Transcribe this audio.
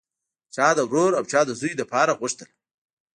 چا د ورور او چا د زوی لپاره غوښتله